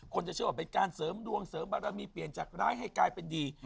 จะเชื่อว่าเป็นการเสริมดวงเสริมบารมีเปลี่ยนจากร้ายให้กลายเป็นดี